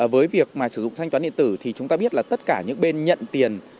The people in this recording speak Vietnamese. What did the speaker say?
với việc mà sử dụng thanh toán điện tử thì chúng ta biết là tất cả những bên nhận tiền